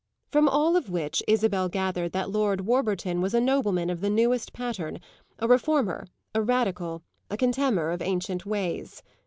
From all of which Isabel gathered that Lord Warburton was a nobleman of the newest pattern, a reformer, a radical, a contemner of ancient ways.